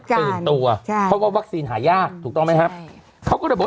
ตื่นตัวใช่เพราะว่าวัคซีนหายากถูกต้องไหมครับเขาก็เลยบอก